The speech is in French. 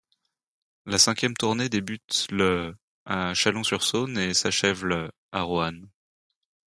La cinquième tournée débute le à Chalon-sur-Saône et s'achève le à Roanne.